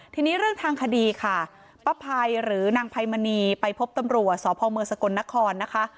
ทีนี้เรื่องทำคดีค่ะป้าพัยหรือนางพัยมณีไปพบตำรับสพมศกษ์นะคะ